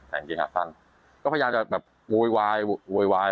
แสงเกียงหักสั้นก็พยายามจะแบบโวยวาย